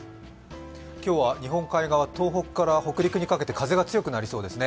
今日は日本海側、東北から北陸にかけて風が強くなりそうですね。